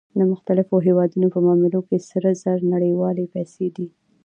د مختلفو هېوادونو په معاملو کې سره زر نړیوالې پیسې دي